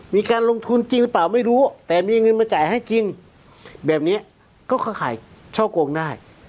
มีการลงทุนจริงหรือเปล่าไม่รู้แต่มีเงินมาจ่ายให้จริงแบบนี้ก็เข้าข่ายช่อโกงได้